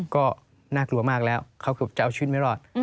ก็น่ากลัวมากแล้วเขาเกือบจะเอาชีวิตไม่รอด